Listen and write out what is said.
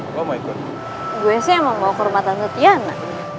gue sih emang mau ke rumah tante tiana